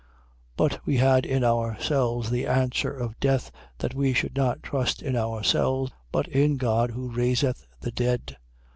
1:9. But we had in ourselves the answer of death, that we should not trust in ourselves, but in God who raiseth the dead.